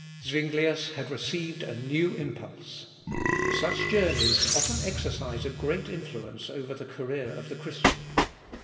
Zuinglius had received a new impulse. Such journeys often exercise a great influence over the career of the Christian.